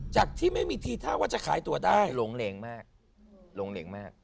โรงเรียงมาก